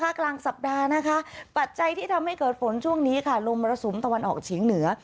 กลางสัปดาห์นะคะปัจจัยที่ทำให้เกิดฝนช่วงนี้ค่ะลมมรสุมตะวันออกเฉียงเหนือ